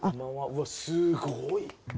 うわすごい！